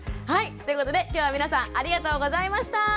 はいということで今日は皆さんありがとうございました！